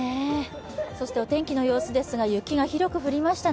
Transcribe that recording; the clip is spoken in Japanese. お天気の様子ですが、雪が広く降りましたね。